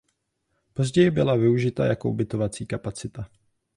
Později byla využita jako ubytovací kapacita.